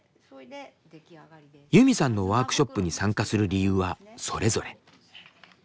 ユミさんのワークショップに参加する理由はそれぞれ。